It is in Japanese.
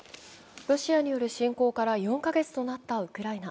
ロシアによる侵攻から４カ月となったウクライナ。